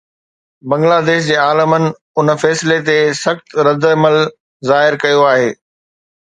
بنگلاديش جي عالمن ان فيصلي تي سخت رد عمل ظاهر ڪيو آهي